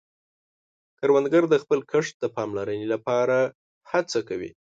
کروندګر د خپل کښت د پاملرنې له پاره هڅه کوي